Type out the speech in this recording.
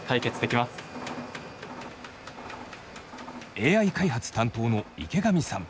ＡＩ開発担当の池上さん。